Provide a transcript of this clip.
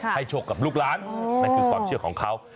โชคกับลูกล้านนั่นคือความเชื่อของเขา